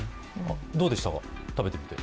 どうでしたか、食べてみて？